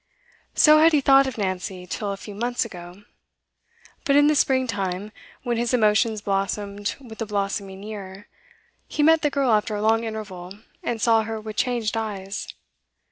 So had he thought of Nancy till a few months ago. But in the spring time, when his emotions blossomed with the blossoming year, he met the girl after a long interval, and saw her with changed eyes.